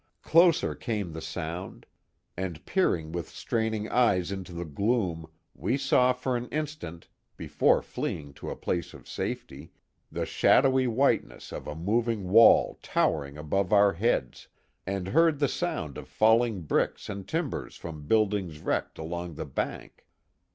Closer came the sound, and peering with straining eyes into the gtoom, we saw for an instant, before fleeing to s place of safety, the shadowy whiteness of a moving wall towering above our heads, and heard the sound of falling bricks and timbers from buildings wrecked along the bank.